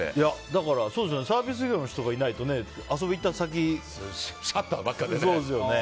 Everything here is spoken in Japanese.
だからサービス業の人がいないとシャッターばっかりでね。